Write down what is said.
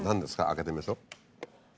開けてみましょ。